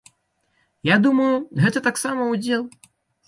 Я думаю, гэта таксама ўдзел.